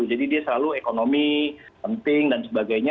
jadi dia selalu ekonomi penting dan sebagainya